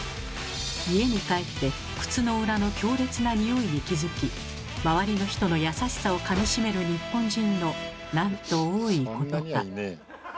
家に帰って靴の裏の強烈なニオイに気付き周りの人の優しさをかみしめる日本人のなんと多いことか。